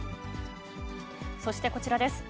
そしてこちらです。